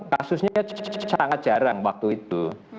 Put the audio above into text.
kasusnya sangat jarang waktu itu